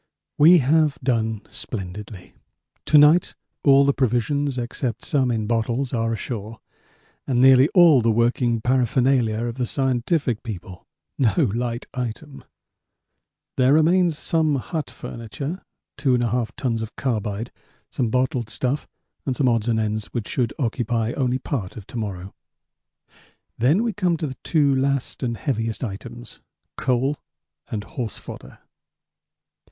We have done splendidly. To night all the provisions except some in bottles are ashore and nearly all the working paraphernalia of the scientific people no light item. There remains some hut furniture, 2 1/2 tons of carbide, some bottled stuff, and some odds and ends which should occupy only part of to morrow; then we come to the two last and heaviest items coal and horse fodder.